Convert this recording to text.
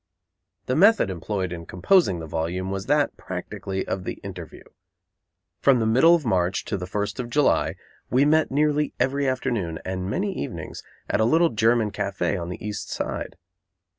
The method employed in composing the volume was that, practically, of the interview. From the middle of March to the first of July we met nearly every afternoon, and many evenings, at a little German café on the East Side.